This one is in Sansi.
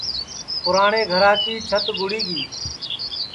پُراٹِؔیں گھرا کی چھت گُڑی گی